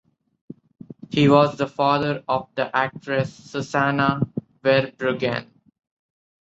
He was the father of the actress Susanna Verbruggen.